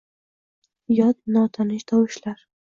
Yot, notanish tovushlar